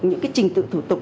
những cái trình tựu thủ tục